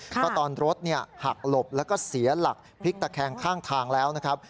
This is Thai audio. ก็ตอนรถหักหลบแล้วก็เสียหลักพลิกตะแคงข้างทางแล้วนะครับ